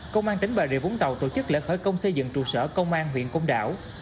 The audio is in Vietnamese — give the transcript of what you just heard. công an tỉnh bà rịa vũng tàu tổ chức lễ khởi công xây dựng trụ sở công an huyện công đảo